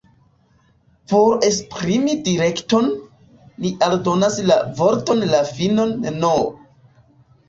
Por esprimi direkton, ni aldonas al la vorto la finon « n ».